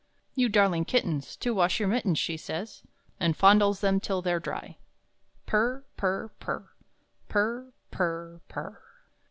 "You darling kittens, To wash your mittens," She says, and fondles them till they're dry Purr, purr, purr, Purr pu r r p u r r!